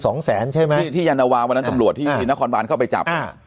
สองแสนใช่ไหมที่ที่ยานวาวันนั้นตำรวจที่นครบานเข้าไปจับอ่า